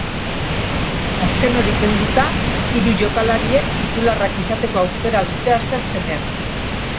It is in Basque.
Azken hori henduta, hiru jokalariek titularrak izateko aukera dute asteazkenean.